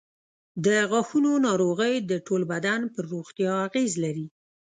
د غاښونو ناروغۍ د ټول بدن پر روغتیا اغېز لري.